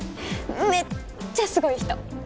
めっちゃすごい人！